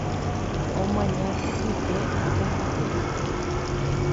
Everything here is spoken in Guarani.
Omaña kyhyje ápe ha pépe.